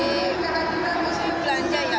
misal belanja ya